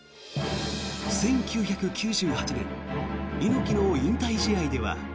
１９９８年猪木の引退試合では。